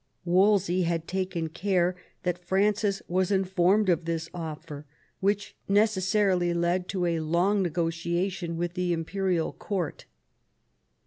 Wolsey had taken care that Francis was informed of this offer, which necessarily led to a long negotiation with the imperial Court.